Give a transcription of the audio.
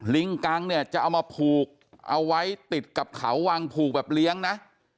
ลิงกังเนี่ยจะเอามาผูกเอาไว้ติดกับเขาวังผูกแบบเลี้ยงนะ